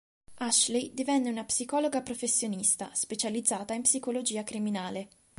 Ashley divenne una psicologa professionista, specializzata in psicologia criminale.